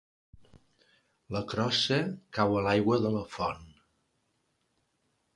La crossa cau a l'aigua de la font.